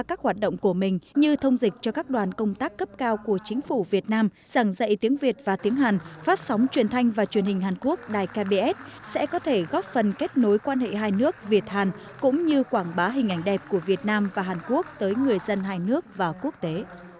các hoạt động của mình như thông dịch cho các đoàn công tác cấp cao của chính phủ việt nam giảng dạy tiếng việt và tiếng hàn phát sóng truyền thanh và truyền hình hàn quốc đài kbs sẽ có thể góp phần kết nối quan hệ hai nước việt hàn cũng như quảng bá hình ảnh đẹp của việt nam và hàn quốc tới người dân hai nước và quốc tế